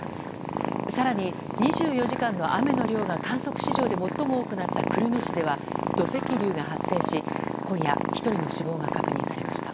更に、２４時間の雨の量が観測史上で最も多くなった久留米市では土石流が発生し今夜、１人の死亡が確認されました。